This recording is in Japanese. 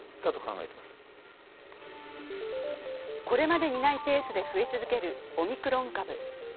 これまでにないペースで増え続けるオミクロン株。